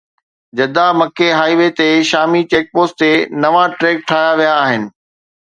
جده-مڪي highway تي شامي check post تي نوان ٽريڪ ٺاهيا ويا آهن